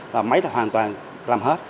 và máy là hoàn toàn làm hết